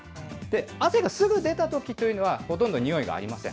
汗がすぐ出たときというのは、ほとんどにおいがありません。